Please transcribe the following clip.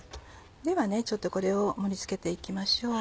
ではちょっとこれを盛り付けて行きましょう。